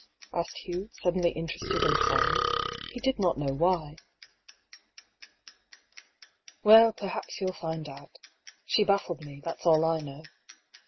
" asked Hugh, suddenly interested and sorry. He did not know why. "Well, perhaps you'll find out. She baffled me; that's all I know.